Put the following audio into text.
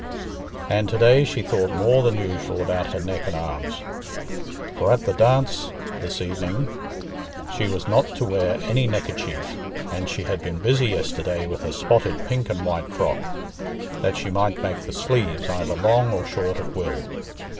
And to day she thought more than usual about her neck and arms; for at the dance this evening she was not to wear any neckerchief, and she had been busy yesterday with her spotted pink and white frock, that she might make the sleeves either long or short at will.